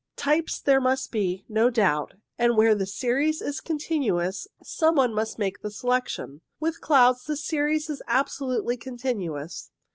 Types there must be, no doubt, and where the series is continuous, some one must make the se lection. With clouds the series is absolutely con tinuous.